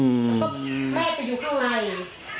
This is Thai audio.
ลูกชายไปกดคันเอาลงแล้วแม่ก็อยู่ข้างใน